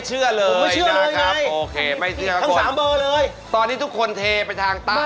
คือเขาเหมือนสุดพี่โน่ตอนนี้